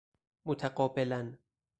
متقابلاً